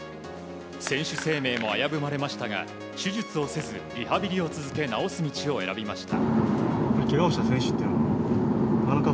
選手生命も危ぶまれましたが手術をせずリハビリを続け治す道を選びました。